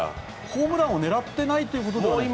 ホームランを狙っていないということではない？